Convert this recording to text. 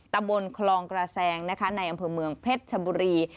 ตำบลคลองกระแซงนะคะในอำเภอเมืองเพชรชบุรี